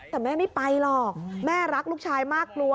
แต่แม่ไม่ไปหรอกแม่รักลูกชายมากกลัว